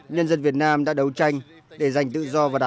nhân dân việt nam đã đấu tranh để giành tự do và đạt